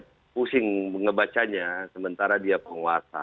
saya pusing ngebacanya sementara dia penguasa